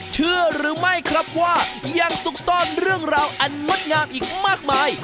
เชื่อหรือไม่ครับว่ายังซุกซ่อนเรื่องราวอันงดงามอีกมากมาย